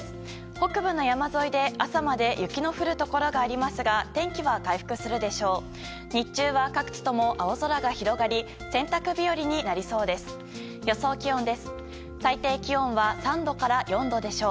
北部の山沿いで朝まで雪の降るところがありますが天気は回復するでしょう。